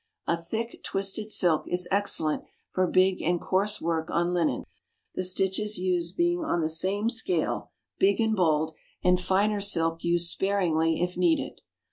A thick twisted silk is excellent for big and coarse work on linen, the stitches used being on the same scale, big and bold, and finer silk used sparingly if needed.